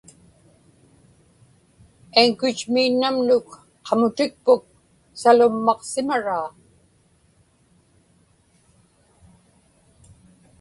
Anchorage-miinŋamnuk qamutikpuk salummaqsimaraa.